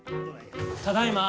ただいま。